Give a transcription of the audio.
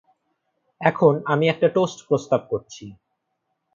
এখন, আমি একটা টোস্ট প্রস্তাব করছি।